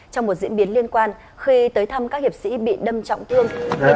trong một diễn biến liên quan khi tới thăm các hiệp sĩ bị đâm trọng thương